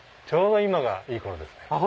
ちょうど今がいい頃ですね。